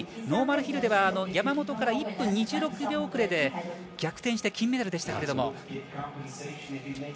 ノーマルヒルでは山本から１分２０秒遅れで逆転して金メダルでしたけども。